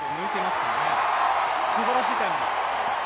すばらしいタイムです。